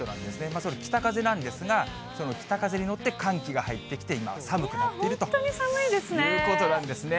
それ、北風なんですが、その北風に乗って寒気が入ってきて今、寒くなっているということなんで本当に寒いですね。